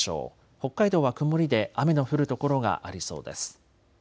北海道は曇りで雨の降る所がありそうです。